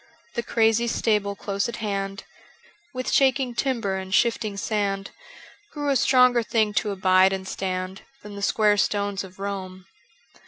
The crazy stable close at hand, With shaking timber and shifting sand, Grew a stronger thing to abide and stand Than the square stones of Rome.